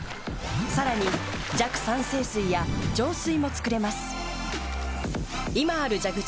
さらに弱酸性水や浄水も作れます。